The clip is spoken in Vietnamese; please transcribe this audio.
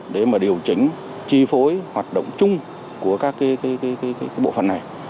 để điều chỉnh chi phối hoạt động chung của các bộ phận này